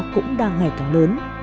cũng đang ngày càng lớn